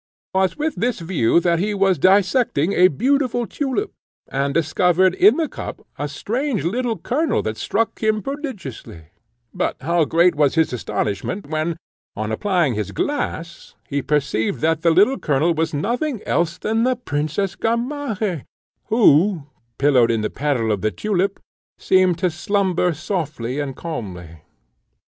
It was with this view that he was dissecting a beautiful tulip, and discovered in the cup a strange little kernel that struck him prodigiously; but how great was his astonishment when, on applying his glass, he perceived that the little kernel was nothing else than the Princess Gamaheh, who, pillowed in the petal of the tulip, seemed to slumber softly and calmly.